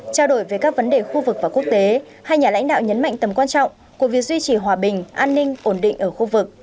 trao đổi về các vấn đề khu vực và quốc tế hai nhà lãnh đạo nhấn mạnh tầm quan trọng của việc duy trì hòa bình an ninh ổn định ở khu vực